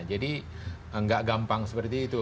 jadi tidak gampang seperti itu